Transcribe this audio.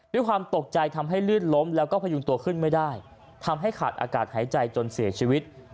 ด้วยความตกใจทำให้ลื่นล้มแล้วก็พยุงตัวขึ้นไม่ได้ทำให้ขาดอากาศหายใจจนเสียชีวิต